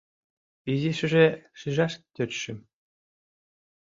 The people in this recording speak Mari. — Изишыже шижаш тӧчышым...